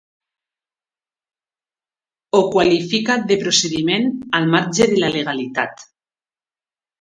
Ho qualifica de “procediment al marge de la legalitat”.